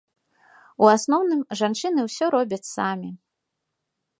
У асноўным жанчыны ўсё робяць самі.